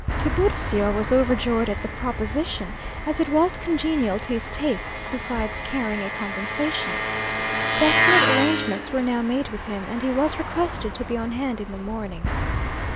Tiburcio was overjoyed at the proposition, as it was congenial to his tastes, besides carrying a compensation. Definite arrangements were now made with him, and he was requested to be on hand in the morning.